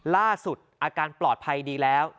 ล่าสุดอาการปลอดภัยดีแล้ว